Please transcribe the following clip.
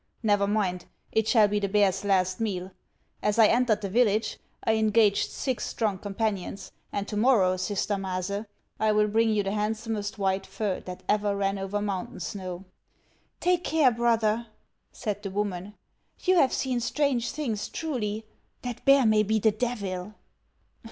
Never mind ; it shall be the bear's last meal. As 1 entered the village I engaged six strong companions, and to morrow, sister Maase, I will bring you the handsomest white fur that ever ran over mountain snow." " Take care, brother," said the woman ;" you have seen strange things, truly. That bear may be the Devil."